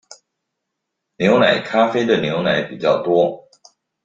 牛奶咖啡的牛奶比較多